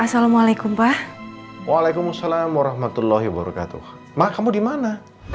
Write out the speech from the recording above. assalamualaikum pak waalaikumsalam warahmatullahi wabarakatuh maka kamu dimana